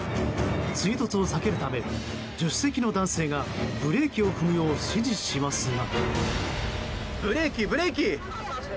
追突を避けるため助手席の男性がブレーキを踏むよう指示しますが。